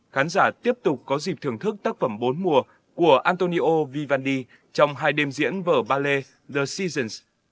khán giả tiếp tục có dịp thưởng thức tác phẩm bốn mùa của antonio vivandhi trong hai đêm diễn vở ballet the season